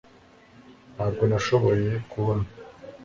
Ntabwo nashoboye kubona